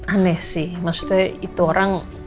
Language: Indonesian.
aneh sih maksudnya itu orang